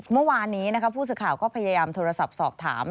เมื่อวานนี้ผู้สื่อข่าวก็พยายามโทรศัพท์สอบถาม